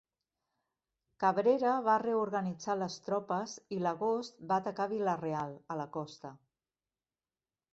Cabrera va reorganitzar les tropes, i l'agost va atacar Vila-real, a la costa.